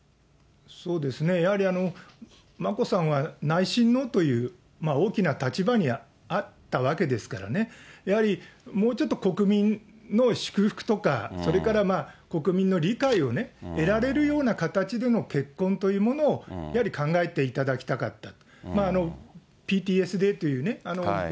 そうですね、やはり眞子さんは内親王という大きな立場にあったわけですからね、やはりもうちょっと国民の祝福とか、それから国民の理解をね、得られるような形でのけっこんというものをやはり考えていただきたかった。